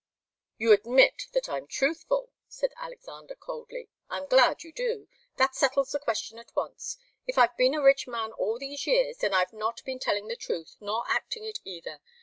"You admit that I'm truthful," said Alexander, coldly. "I'm glad you do. That settles the question at once. If I've been a rich man all these years, then I've not been telling the truth, nor acting it, either.